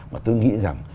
mà tôi nghĩ rằng